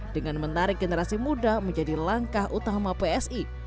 dengan menarik generasi muda menjadi langkah utama psi